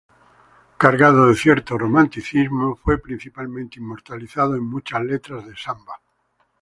Cargado de cierto romanticismo, fue principalmente inmortalizado en muchas letras de samba.